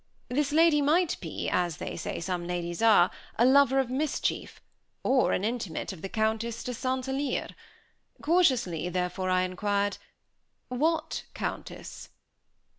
This lady might be, as they say some ladies are, a lover of mischief, or an intimate of the Countess de St. Alyre. Cautiously, therefore, I inquired, "What Countess?"